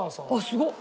すごっ！